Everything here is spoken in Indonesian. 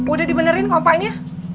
udah dibenerin kompanya